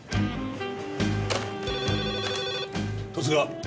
十津川。